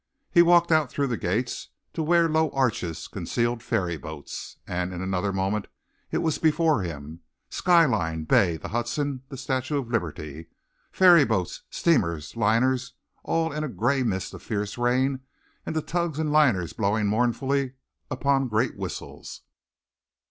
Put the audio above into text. He walked out through the gates to where low arches concealed ferry boats, and in another moment it was before him, sky line, bay, the Hudson, the Statue of Liberty, ferry boats, steamers, liners, all in a grey mist of fierce rain and the tugs and liners blowing mournfully upon great whistles.